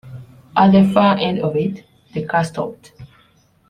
At the far end of it, the car stopped.